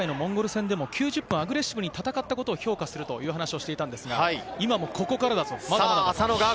森保監督なんですが、前回のモンゴル戦でも９０分、アグレッシブに戦ったことを評価するという話をしていたんですが、今もここからだぞと。